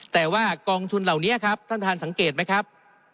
แต่ว่ากองทุนเหล่านี้ครับท่านท่านสังเกตไหมครับ